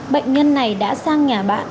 bệnh nhân này đã sang nhà bạn